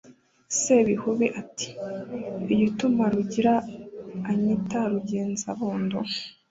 sebihubi ati: “igituma rugira anyita rugenzabondo